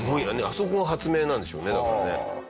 あそこが発明なんでしょうねだからね。